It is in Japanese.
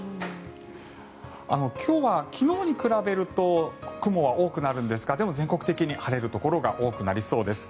今日は昨日に比べると雲は多くなるんですがでも全国的に晴れるところが多くなりそうです。